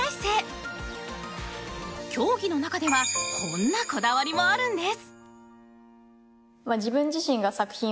競技の中ではこんなこだわりもあるんです。